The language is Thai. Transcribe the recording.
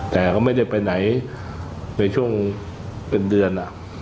แต่ก็ไม่ได้ไปไหนในช่วงเป็นเดือน